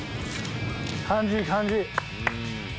感じいい、感じいい。